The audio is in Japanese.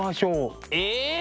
え！